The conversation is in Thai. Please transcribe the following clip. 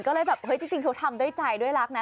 ก็เลยจริงเข้าทำด้วยใจด้วยรักนะ